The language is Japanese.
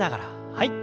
はい。